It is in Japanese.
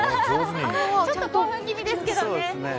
ちょっと興奮気味ですけどね。